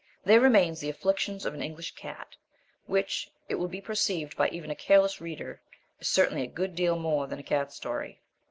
There remains The Afflictions of an English Cat which, it will be perceived by even a careless reader, is certainly a good deal more than a cat story.